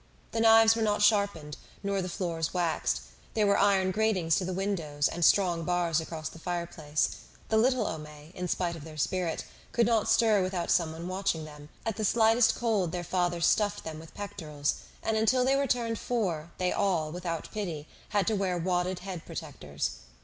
The knives were not sharpened, nor the floors waxed; there were iron gratings to the windows and strong bars across the fireplace; the little Homais, in spite of their spirit, could not stir without someone watching them; at the slightest cold their father stuffed them with pectorals; and until they were turned four they all, without pity, had to wear wadded head protectors.